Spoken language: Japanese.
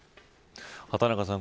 畑中さん